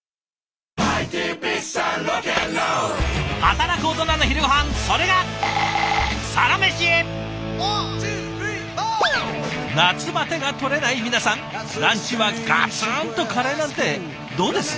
働くオトナの昼ごはんそれが夏バテがとれない皆さんランチはガツンとカレーなんてどうです？